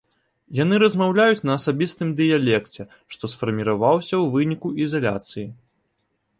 Яны размаўляюць на асабістым дыялекце, што сфарміраваўся ў выніку ізаляцыі.